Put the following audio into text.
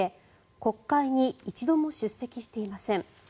国会に一度も出席していません。